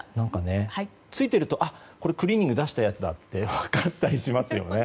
ついているとクリーニング出したやつだって分かったりしますよね。